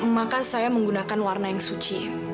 maka saya menggunakan warna yang suci